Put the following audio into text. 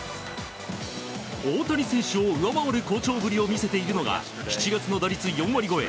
大谷選手を上回る好調ぶりを見せているのが７月の打率４割超え